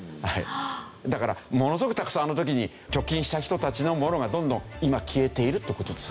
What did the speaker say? だからものすごくたくさんあの時に貯金した人たちのものがどんどん今消えているって事です。